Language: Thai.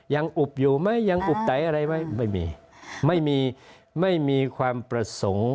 อุบอยู่ไหมยังอุบไตอะไรไหมไม่มีไม่มีความประสงค์